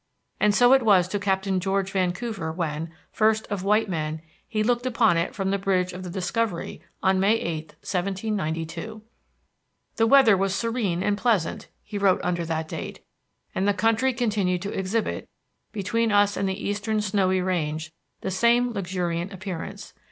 And so it was to Captain George Vancouver when, first of white men, he looked upon it from the bridge of the Discovery on May 8, 1792. "The weather was serene and pleasant," he wrote under that date, "and the country continued to exhibit, between us and the eastern snowy range, the same luxuriant appearance.